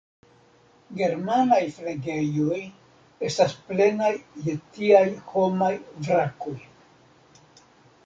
Germanaj flegejoj estas plenaj je tiaj homaj vrakoj.